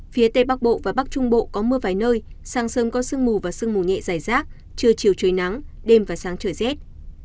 phía tây bắc bộ và bắc trung bộ có mưa vài nơi sáng sớm có sương mù và sương mù nhẹ dài rác trưa chiều trời nắng đêm và sáng trời rét